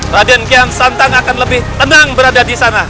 raden kian santang akan lebih tenang berada disana